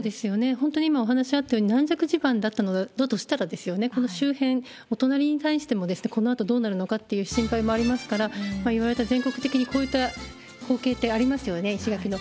本当に今、お話あったように、軟弱地盤だったのだとしたら、この周辺、お隣に対しても、このあとどうなるのかっていう心配もありますから、いろいろと全国的に、こういった光景ってありますよね、石垣の。